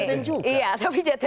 tapi belum ditempatin juga